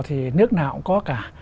thì nước nào cũng có cả